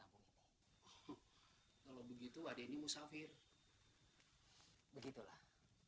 kampung kalau begitu adeknya musafir begitulah